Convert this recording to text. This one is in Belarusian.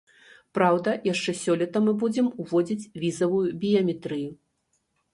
Праўда, яшчэ сёлета мы будзем уводзіць візавую біяметрыю.